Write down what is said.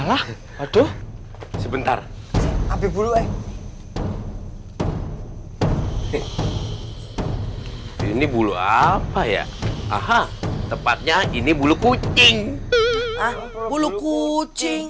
aduh sebentar tapi bulu eh ini bulu apa ya ah tepatnya ini bulu kucing bulu kucing